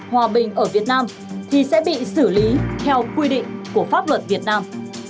hòa bình ở việt nam thì sẽ bị xử lý theo quy định của pháp luật việt nam